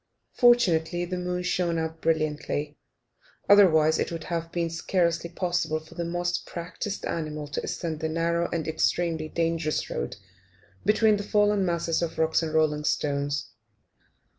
Fortunately the moon shone out brilliantly, otherwise it would have been scarcely possible for the most practised animal to ascend the narrow and extremely dangerous road between the fallen masses of rock and rolling stones.